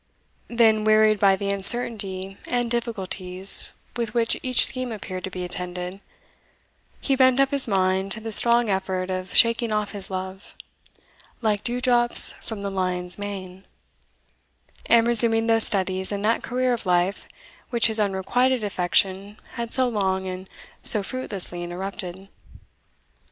Then, wearied by the uncertainty and difficulties with which each scheme appeared to be attended, he bent up his mind to the strong effort of shaking off his love, "like dew drops from the lion's mane," and resuming those studies and that career of life which his unrequited affection had so long and so fruitlessly interrupted.